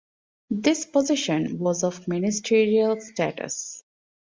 This position was of ministerial status.